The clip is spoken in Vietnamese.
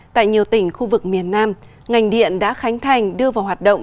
tại nhiều tỉnh khu vực miền nam ngành điện đã khánh thành đưa vào hoạt động